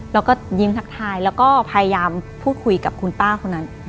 แล้วก็ยิ้มทักทายแล้วก็พยายามพูดคุยกับคุณป้าคนนั้น